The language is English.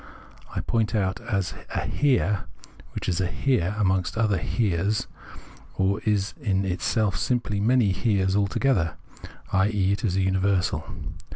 I point it out as a Here, which is a Here amongst other Heres, or is in itself simply many Heres together, i.e. is a universal.